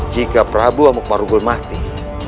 jika prabu amokmarugul menempatkan kepernakannya di kursi kerajaan